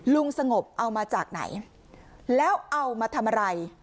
ลุงสงบเอามาจากไหนแล้วเอามาทำอะไร